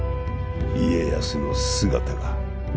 家康の姿が。